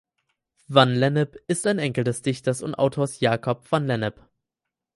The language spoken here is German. Van Lennep ist Enkel des Dichters und Autors Jacob van Lennep.